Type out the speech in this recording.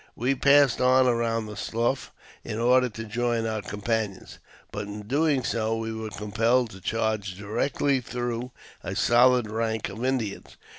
We passed on around the slough in order to join our companions, but in doing so we were compelled to charge directly through a solid rank of Indians.